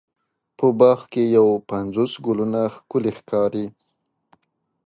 په باغ کې یو پنځوس ګلونه ښکلې ښکاري.